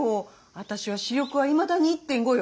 私は視力はいまだに１．５よ。